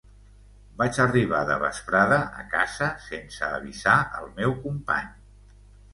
Vaig arribar de vesprada a casa sense avisar el meu company.